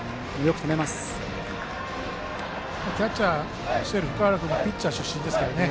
キャッチャーをしている福原君はピッチャー出身ですからね。